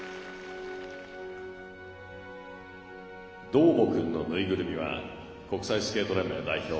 どーもくんのぬいぐるみは国際スケート連盟代表